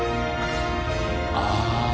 ああ。